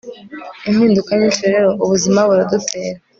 impinduka nyinshi rero, ubuzima buradutera